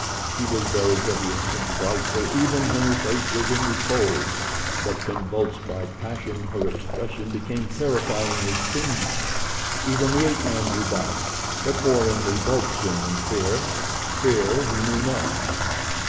She was very hideous and frightful even when her face was in repose; but convulsed by passion, her expression became terrifyingly fiendish. Even the ape man drew back, but more in revulsion than fear fear he knew not.